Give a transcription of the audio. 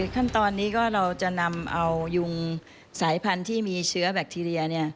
ขั้นตอนนี้ก็เราจะนำเอายุงสายพันธุ์ที่มีเชื้อแบคทีเรีย